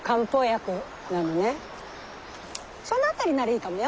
その辺りならいいかもよ。